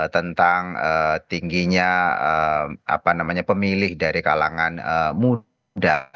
tentang tingginya pemilih dari kalangan muda